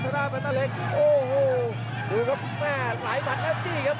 จนได้แบตเตอร์เล็กโอ้โหดูครับแม่หลายมันแล้วนี่ครับ